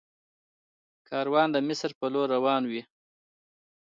کاروان د مصر په لور روان وي.